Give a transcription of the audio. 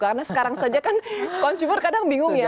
karena sekarang saja kan konsumen kadang bingung ya